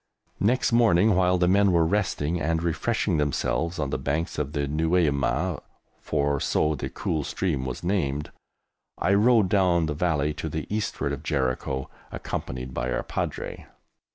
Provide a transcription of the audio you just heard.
Next morning, while the men were resting and refreshing themselves on the banks of the Nueiameh (for so the cool stream was named), I rode down the Valley to the eastward of Jericho, accompanied by our Padre.